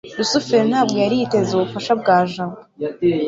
rusufero ntabwo yari yiteze ubufasha bwa jabo